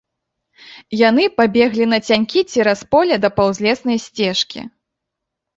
Яны пабеглі нацянькі цераз поле да паўзлеснай сцежкі.